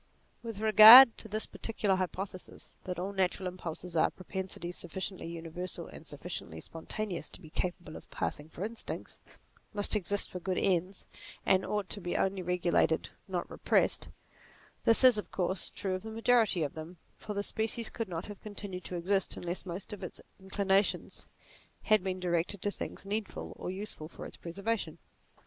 With regard to this particular hypothesis, that all natural impulses, all propensities sufficiently universal and sufficiently spontaneous to be capable of passing for instincts, must exist for good ends, and ought to be only regulated, not repressed ; this is of course true of the majority of them, for the species could not have continued to exist unless most of its inclinations had been directed to things needful or useful for its preservation.